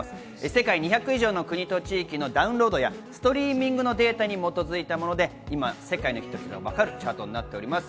世界２００以上の国と地域のダウンロードやストリーミングのデータに基づいたもので、今世界のヒット曲が分かるチャートです。